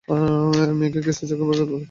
মেয়েটির কেসে যাকে গ্রেফতার করা হয়েছে?